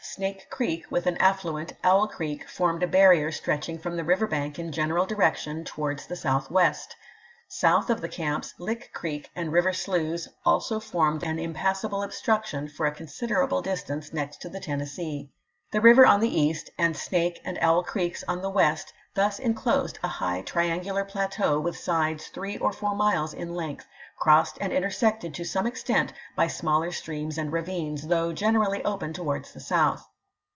Snake Creek with an affluent. Owl Creek, formed a barrier stretching from the river bank in general direction towards the southwest. South of the camps. Lick Creek and river sloughs also formed an impassable obstruction for a con siderable distance next to the Tennessee. The river on the east, and Snake and Owl creeks on the west, thus inclosed a high triangular plateau with sides three or four miles in length, crossed and intersected to some extent by smaller streams and ravines, though generally open towards the south.